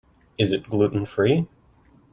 Is it gluten-free?